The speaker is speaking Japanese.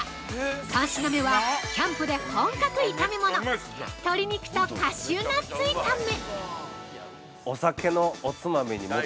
３品目はキャンプで本格炒め物鶏肉とカシューナッツ炒め！